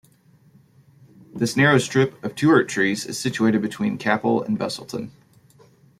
This narrow strip of tuart trees is situated between Capel and Busselton.